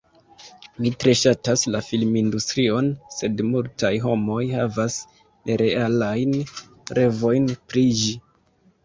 Mi tre ŝatas la filmindustrion, sed multaj homoj havas nerealajn revojn pri ĝi.